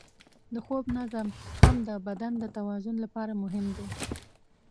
د خوب نظم هم د بدن د توازن لپاره مهم دی.